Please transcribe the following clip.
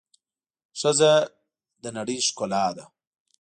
ښځه د د نړۍ ښکلا ده.